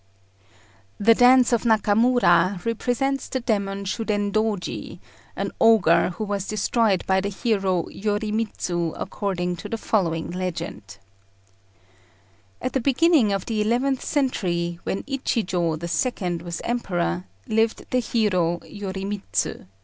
The dance of Nakamura represents the demon Shudendôji, an ogre who was destroyed by the hero Yorimitsu according to the following legend: At the beginning of the eleventh century, when Ichijô the Second was Emperor, lived the hero Yorimitsu.